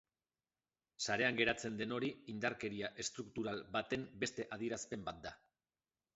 Sarean gertatzen den hori indarkeria estruktural baten beste adierazpen bat da.